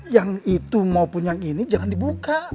yang itu maupun yang ini jangan dibuka